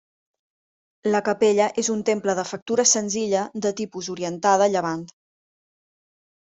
La capella és un temple de factura senzilla de tipus orientada a llevant.